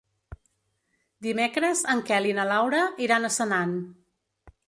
Dimecres en Quel i na Laura iran a Senan.